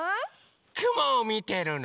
くもをみてるの。